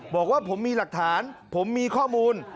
บอกว่าผมมีหลักฐานผมมีข้อมูล